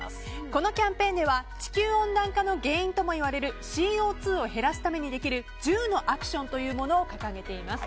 このキャンペーンでは地球温暖化の原因ともいわれるＣＯ２を減らすためにできる１０のアクションというものを掲げています。